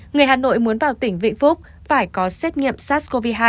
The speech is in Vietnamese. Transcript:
người hà nội muốn vào tỉnh vĩnh phúc phải có xét nghiệm sars cov hai